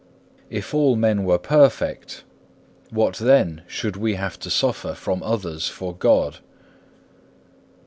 If all men were perfect, what then should we have to suffer from others for God?